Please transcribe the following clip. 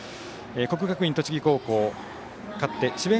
国学院栃木高校、勝って智弁